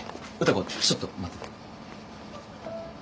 歌子ちょっと待ってて。